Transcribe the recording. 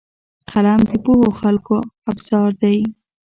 قلم د پوهو خلکو ابزار دی